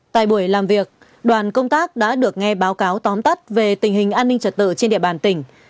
tại buổi làm việc đoàn công tác đã được nghe báo cáo tóm tắt về tình hình an ninh trật tự trên địa bàn tỉnh